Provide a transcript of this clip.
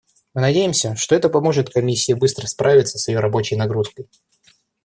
Мы надеемся, что это поможет Комиссии быстро справиться с ее рабочей нагрузкой.